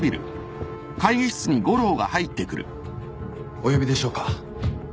お呼びでしょうか？